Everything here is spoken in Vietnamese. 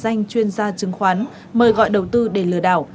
danh chuyên gia chứng khoán mời gọi đầu tư để lừa đảo